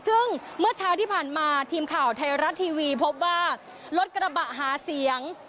ซึ่งเมื่อเช้าที่ผ่านมาทีมข่าวไทยรัฐทีวีพบว่ารถกระบะหาเสียง